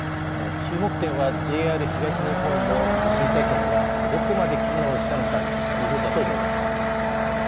注目点はＪＲ東日本の地震対策がどこまで機能したのかということだと思います。